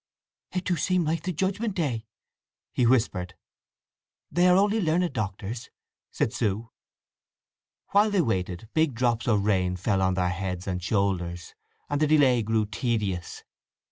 "It do seem like the Judgment Day!" he whispered. "They are only learned Doctors," said Sue. While they waited big drops of rain fell on their heads and shoulders, and the delay grew tedious.